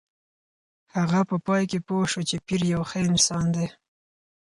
هغه په پای کې پوه شوه چې پییر یو ښه انسان دی.